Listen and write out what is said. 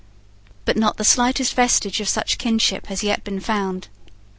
But not the slightest vestige of such kinship has yet been found.